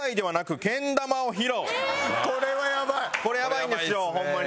これやばいんですよホンマに。